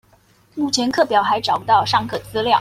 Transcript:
目前課表還找不到上課資料